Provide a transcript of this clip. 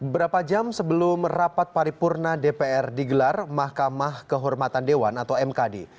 berapa jam sebelum rapat paripurna dpr digelar mahkamah kehormatan dewan atau mkd